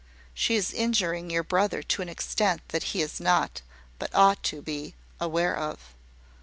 She is injuring your brother to an extent that he is not, but ought to be, aware of."